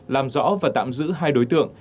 làm rõ và tạm giữ hai đối tượng